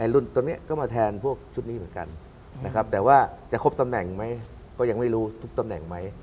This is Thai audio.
รุ่นตรงนี้ก็มาแทนพวกชุดนี้เหมือนกันนะครับแต่ว่าจะครบตำแหน่งไหมก็ยังไม่รู้ทุกตำแหน่งไหม